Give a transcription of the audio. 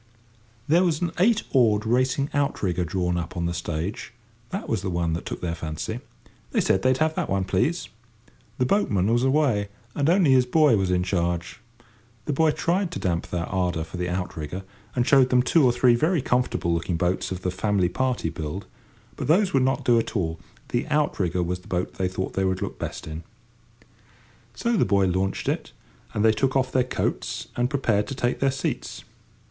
There was an eight oared racing outrigger drawn up on the stage; that was the one that took their fancy. They said they'd have that one, please. The boatman was away, and only his boy was in charge. The boy tried to damp their ardour for the outrigger, and showed them two or three very comfortable looking boats of the family party build, but those would not do at all; the outrigger was the boat they thought they would look best in. So the boy launched it, and they took off their coats and prepared to take their seats.